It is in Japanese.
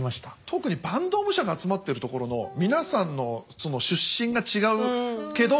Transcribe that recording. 特に坂東武者が集まってるところの皆さんの出身が違うけど。